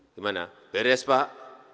gimana beres pak